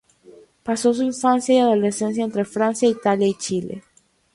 Pasó su infancia y adolescencia entre Francia, Italia y Chile.